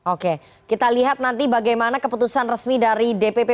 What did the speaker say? oke kita lihat nanti bagaimana keputusan resmi dari dpp